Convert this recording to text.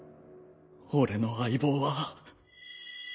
俺の相棒は。